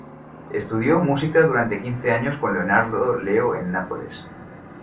Estudió música durante quince años con Leonardo Leo en Nápoles.